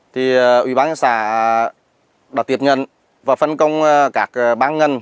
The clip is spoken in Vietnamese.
thì ủy bán xã đã tiệp nhận và phân công các bán ngân